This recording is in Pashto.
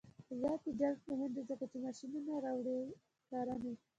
آزاد تجارت مهم دی ځکه چې ماشینونه راوړي کرنې.